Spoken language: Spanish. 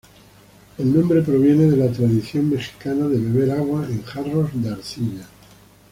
El nombre proviene de la tradición mexicana de beber agua en jarros de arcilla.